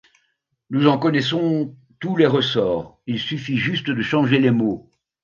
Nous en connaissons tous les ressorts, il suffit juste de changer les mots.